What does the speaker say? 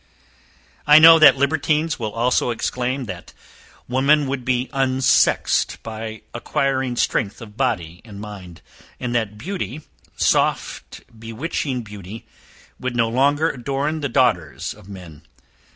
I know that libertines will also exclaim, that woman would be unsexed by acquiring strength of body and mind, and that beauty, soft bewitching beauty! would no longer adorn the daughters of men.